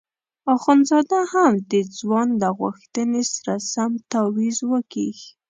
اخندزاده هم د ځوان له غوښتنې سره سم تاویز وکیښ.